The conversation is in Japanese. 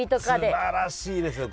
すばらしいですよ。